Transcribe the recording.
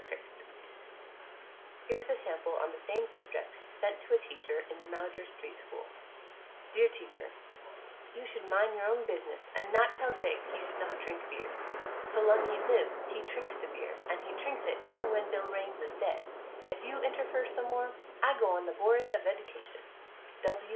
CHRIS Here is a sample on the same subject sent to a teacher in the Maujer Street school: Dear Teacher: You should mine your own bizniss an' not tell Jake he should not trink bier, so long he lif he trinks the bier an' he trinks it yen wen bill rains is ded, if you interfer some more I go on the bored of edcation.